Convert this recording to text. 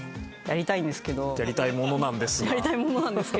「やりたい者なんですが」。